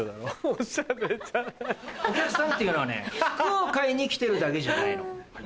お客さんっていうのはね服を買いに来てるだけじゃないの。